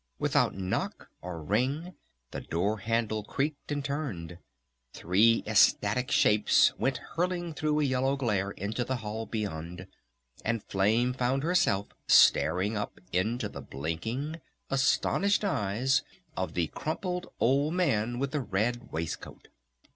Without knock or ring the door handle creaked and turned, three ecstatic shapes went hurtling through a yellow glare into the hall beyond, and Flame found herself staring up into the blinking, astonished eyes of the crumpled old man with the red waistcoat.